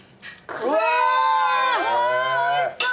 わあおいしそう！